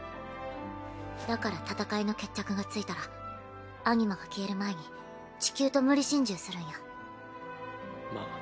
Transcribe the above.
だから戦いの決着がついたらアニマが消える前に地球と無理心中するんや。